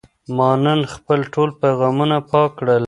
ما نن خپل ټول پیغامونه پاک کړل.